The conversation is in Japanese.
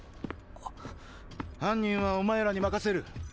犯人はお前らに任せる。